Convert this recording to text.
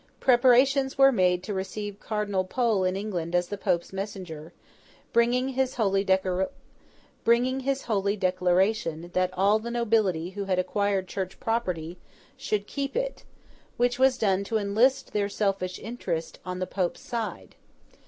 Preparations were made to receive Cardinal Pole in England as the Pope's messenger, bringing his holy declaration that all the nobility who had acquired Church property, should keep it—which was done to enlist their selfish interest on the Pope's side.